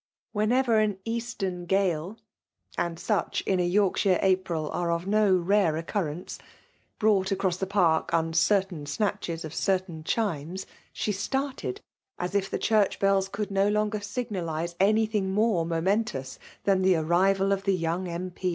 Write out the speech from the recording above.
Wtien^ver an eastern gale (and such in a Yorkshire April are of no rare occur 166 FEMALK DOMCKATION rence) brought across the park uncertain snatches of certain chimes, she started, as if the church bells could no longer signalize any thing more momentous than the arrival of the young M.